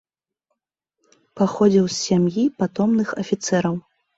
Паходзіў з сям'і патомных афіцэраў.